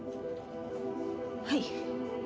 はい。